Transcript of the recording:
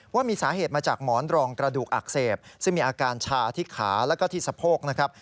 ว่ามีสาเหตุมาจากหมอนรองกระดูกอักเสบซึ่งมีอาการชาที่ขาแล้วก็ที่สะโพกนะครับ